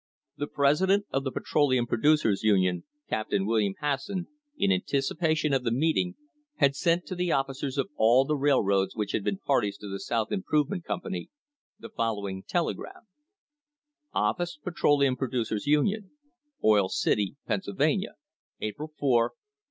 The president of the Petroleum Producers' Union, Captain William Hasson, in anticipation of the meeting, had sent to the officers of all the railroads which had been parties to the South Improvement Company, the following telegram: Office Petroleum Producers' Union, Oil City, Pennsylvania, April 4, 1872.